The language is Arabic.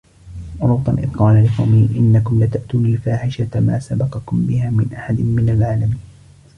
ولوطا إذ قال لقومه إنكم لتأتون الفاحشة ما سبقكم بها من أحد من العالمين